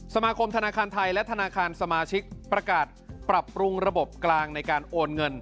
สมาคมธนาคารไทยและธนาคารสมาชิกประกาศปรับปรุงระบบกลางในการโอนเงิน